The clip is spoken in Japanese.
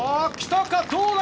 どうだ？